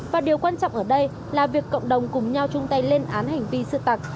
và điều quan trọng ở đây là việc cộng đồng cùng nhau chung tay lên án hành vi sưu tập